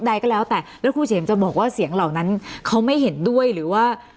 ใดก็แล้วแต่แล้วครูเฉิมจะบอกว่าเสียงเหล่านั้นเขาไม่เห็นด้วยหรือว่า